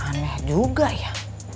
aneh juga ya